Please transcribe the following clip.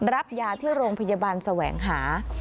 รับยาที่โรงพยาบาลแสวงหา